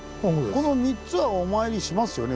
この３つはお参りしますよね